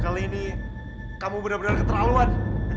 kali ini kamu benar benar keterlaluan